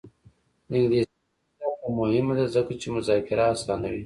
د انګلیسي ژبې زده کړه مهمه ده ځکه چې مذاکره اسانوي.